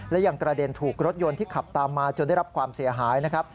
และยังกระเด็นถูกรถยนต์ที่ขับตามมาจนได้รับความเสียหายนะครับ